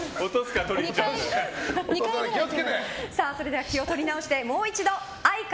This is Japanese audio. それでは、気を取り直してもう一度３、２、１愛花！